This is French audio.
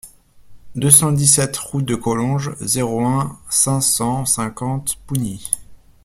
deux cent dix-sept route de Collonges, zéro un, cinq cent cinquante Pougny